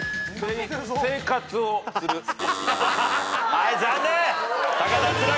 はい残念！